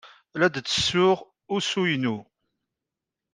La d-ttessuɣ usu-inu.